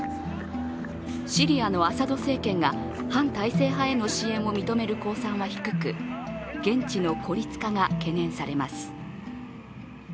シリアのアサド政権が反体制派への支援を認める公算は低く現地の孤立化が懸念されます。